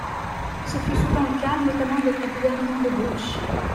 Ce fut souvent le cas, notamment avec les gouvernements de gauche.